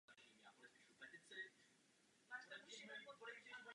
Jeho významnou činností je bohatá publikační aktivita.